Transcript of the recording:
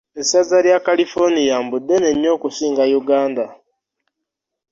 Essaza lya California mbu ddene nnyo okusinga Yuganda.